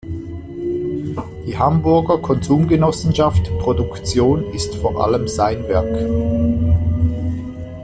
Die Hamburger Konsumgenossenschaft 'Produktion' ist vor allem sein Werk.